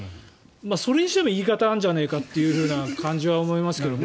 それにしても言い方があるんじゃないかという感じはありますけどね。